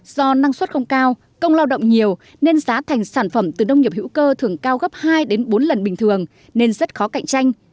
do năng suất không cao công lao động nhiều nên giá thành sản phẩm từ nông nghiệp hữu cơ thường cao gấp hai đến bốn lần bình thường nên rất khó cạnh tranh